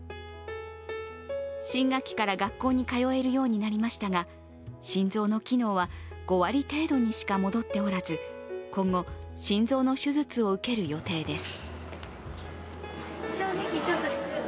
新学期から学校に通えるようになりましたが心臓の機能は５割程度にしか戻っておらず今後心臓の手術を受ける予定です。